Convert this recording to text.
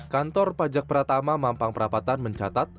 kantor pajak pratama mampang perapatan mencatat